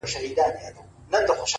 ته يې بد ايسې!